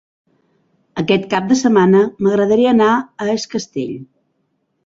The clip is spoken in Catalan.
Aquest cap de setmana m'agradaria anar a Es Castell.